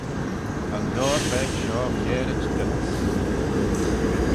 Ta'n lioar veg shoh kiarit dhyts!